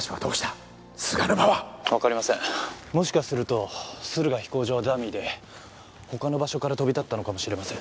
もしかすると駿河飛行場はダミーで他の場所から飛び立ったのかもしれません。